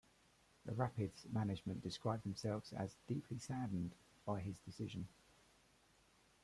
The Rapids' management described themselves as "deeply saddened" by his decision.